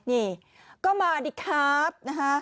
นี่ก็มาดีครับ